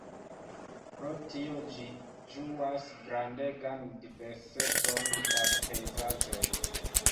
Pro tio ĝi ĝuas grandegan diversecon da pejzaĝoj.